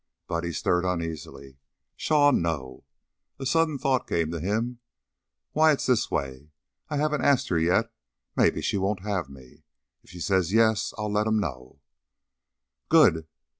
Buddy stirred uneasily. "Pshaw, no!" A sudden thought came to him. "Why, it's this way: I haven't ast her yet. Mebbe she won't have me. If she says yes I'll let 'em know." "Good!